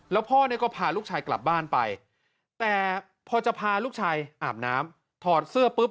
แล้วพ่อเนี่ยก็พาลูกชายกลับบ้านไปแต่พอจะพาลูกชายอาบน้ำถอดเสื้อปุ๊บ